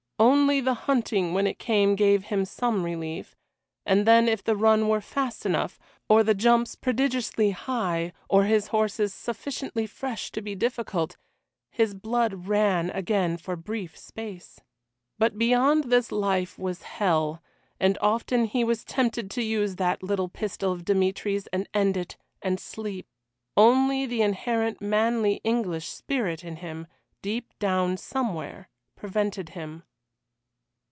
Only the hunting when it came gave him some relief, and then if the run were fast enough, or the jumps prodigiously high, or his horses sufficiently fresh to be difficult, his blood ran again for a brief space. But beyond this life was hell, and often he was tempted to use that little pistol of Dmitry's, and end it, and sleep. Only the inherent manly English spirit in him, deep down somewhere, prevented him.